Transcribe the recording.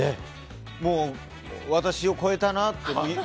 もう、私を超えたなって。